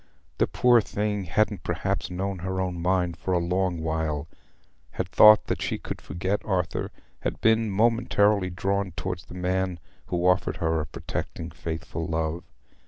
The poor thing hadn't perhaps known her own mind for a long while; had thought that she could forget Arthur; had been momentarily drawn towards the man who offered her a protecting, faithful love.